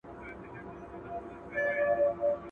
ډېر پخوا د نیل د سیند پر پوري غاړه ..